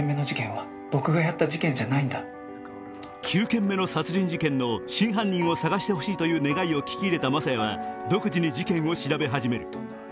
９件目の殺人事件の真犯人を探して欲しいという願いを聞き入れた雅也は独自に事件を調べ始める。